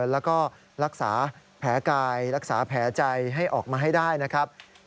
แล้วก็รักษาแผลกายรักษาแผลใจให้ออกมาให้ได้นะครับ